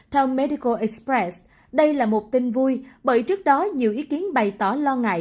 theo medicor express đây là một tin vui bởi trước đó nhiều ý kiến bày tỏ lo ngại